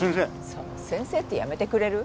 その先生ってやめてくれる？